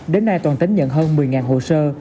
đến nay toàn tỉnh nhận hơn một mươi hồ sơ